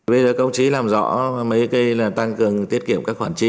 bây giờ công chí làm rõ mấy cái là tăng cường tiết kiệm các khoản trí